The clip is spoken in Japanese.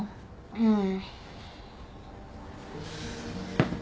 うん？